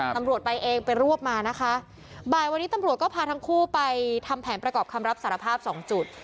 ตำรวจไปเองไปรวบมานะคะบ่ายวันนี้ตำรวจก็พาทั้งคู่ไปทำแผนประกอบคำรับสารภาพสองจุด